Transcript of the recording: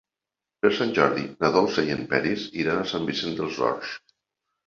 Per Sant Jordi na Dolça i en Peris iran a Sant Vicenç dels Horts.